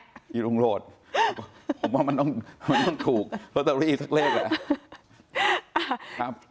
พี่รุ่งโรธผมว่ามันต้องถูกลอตเตอรี่สักเลขแหละ